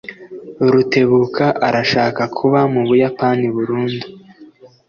Rutebuka arashaka kuba mu Buyapani burundu.